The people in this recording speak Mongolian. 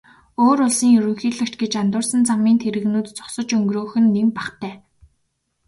Өөр улсын ерөнхийлөгч гэж андуурсан замын тэрэгнүүд зогсож өнгөрөөх нь нэн бахтай.